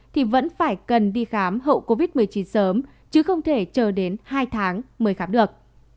thì vẫn phải cần đi khám hậu covid một mươi chín sớm chứ không thể chờ đến hai tháng mới khám được